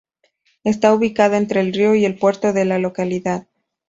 Está ubicada entre el río y el puerto de la localidad.